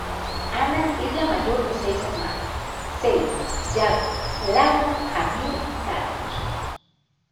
Ana es la mayor de seis hermanos: Celia, Yago, Laura, Javier y Carlos.